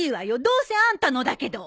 どうせあんたのだけど。